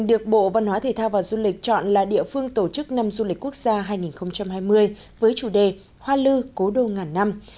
bộ văn hóa thể thao và du lịch chọn là địa phương tổ chức năm du lịch quốc gia hai nghìn hai mươi với chủ đề hoa lư cố đô ngàn năm